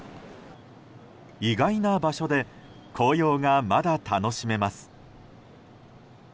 意外な場所で紅葉がまだ楽しめます。